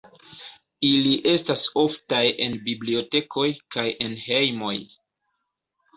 Ili estas oftaj en bibliotekoj kaj en hejmoj.